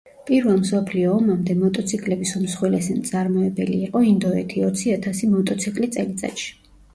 პირველ მსოფლიო ომამდე მოტოციკლების უმსხვილესი მწარმოებელი იყო ინდოეთი ოცი ათასი მოტოციკლი წელიწადში.